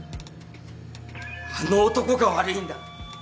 あの男が悪いんだ。